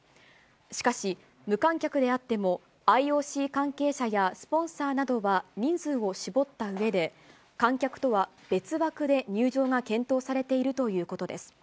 しかし、無観客であっても、ＩＯＣ関係者やスポンサーなどは人数を絞ったうえで、観客とは別枠で入場が検討されているということです。